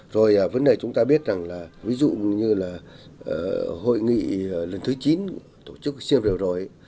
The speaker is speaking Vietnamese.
rồi vấn đề chúng ta biết rằng là ví dụ như là hội nghị lần thứ chín tổ chức cpi rồi